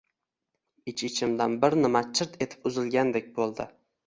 Ich-ichimdan bir nima chirt etib uzilgandek boʻldi.